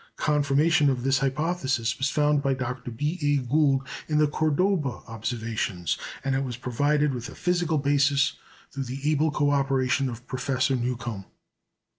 Confirmation of this hypothesis was found by Dr. B. A. Gould in the Cordoba observations, and it was provided with a physical basis through the able co operation of Professor Newcomb.